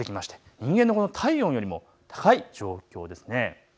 人間の体温よりも高い状況です。